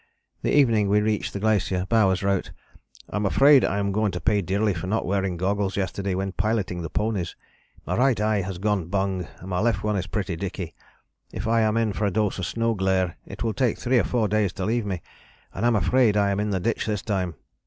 The evening we reached the glacier Bowers wrote: "I am afraid I am going to pay dearly for not wearing goggles yesterday when piloting the ponies. My right eye has gone bung, and my left one is pretty dicky. If I am in for a dose of snow glare it will take three or four days to leave me, and I am afraid I am in the ditch this time.